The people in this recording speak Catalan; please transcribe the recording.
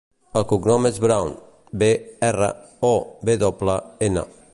El cognom és Brown: be, erra, o, ve doble, ena.